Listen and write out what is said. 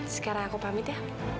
sekarang aku pamit ya